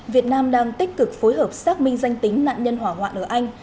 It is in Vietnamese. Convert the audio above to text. việt nam đang tích cực phối hợp xác minh danh tính nạn nhân hỏa hoạn ở anh